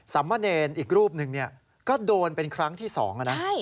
สามเมอร์เนอร์อีกรูปหนึ่งก็โดนเป็นครั้งที่สอง